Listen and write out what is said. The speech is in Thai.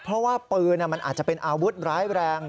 เพราะว่าปืนมันอาจจะเป็นอาวุธร้ายแรง